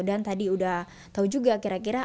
dan tadi udah tau juga kira kira